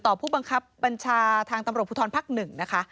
ต่อผู้บังคับบัญชาทางตำรวจผู้ท้อนภักดิ์หนึ่ง